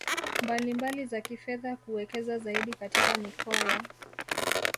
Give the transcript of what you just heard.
mbalimbali za kifedha kuwekeza zaidi katika mikoa ya